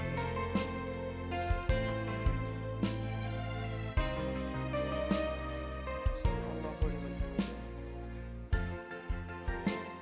soalnya allah boleh menjual